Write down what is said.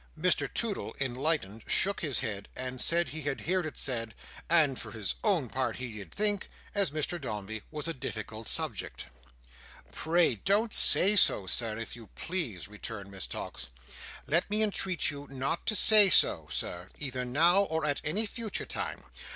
Mr Toodle, enlightened, shook his head, and said he had heerd it said, and, for his own part, he did think, as Mr Dombey was a difficult subject. "Pray don't say so, Sir, if you please," returned Miss Tox. "Let me entreat you not to say so, Sir, either now, or at any future time.